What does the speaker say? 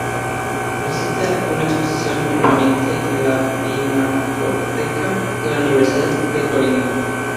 Existe una exposición permanente en la Pinacoteca de la Universidad de Colima.